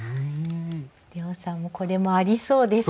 涼さんこれもありそうですよね？